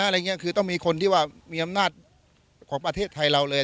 อะไรอย่างนี้คือต้องมีคนที่ว่ามีอำนาจของประเทศไทยเราเลย